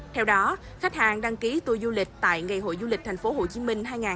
theo đó khách hàng đăng ký tour du lịch tại ngày hội du lịch tp hcm hai nghìn hai mươi bốn